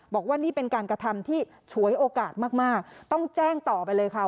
บอกว่านี่เป็นการกระทำที่ฉวยโอกาสมากต้องแจ้งต่อไปเลยค่ะ